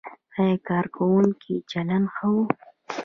ایا کارکوونکو چلند ښه و؟